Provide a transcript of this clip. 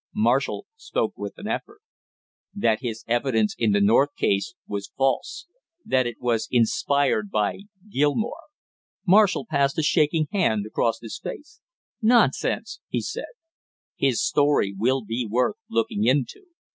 Marshall spoke with an effort. "That his evidence in the North case was false, that it was inspired by Gilmore." Marshall passed a shaking hand across his face. "Nonsense!" he said. "His story will be worth looking into.